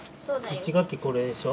１学期これでしょ。